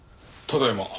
ただいま。